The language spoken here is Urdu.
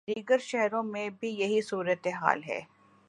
دیگر شہروں میں بھی یہی صورت حال ہے۔